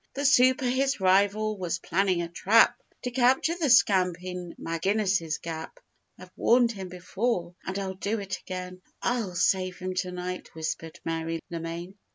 The super, his rival, was planning a trap To capture the scamp in Maginnis's Gap. 'I've warned him before, and I'll do it again; I'll save him to night,' whispered Mary Lemaine.